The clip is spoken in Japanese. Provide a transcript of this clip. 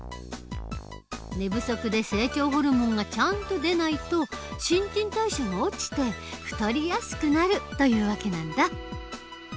寝不足で成長ホルモンがちゃんと出ないと新陳代謝が落ちて太りやすくなるという訳なんだ。